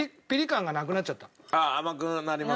あっ甘くなります？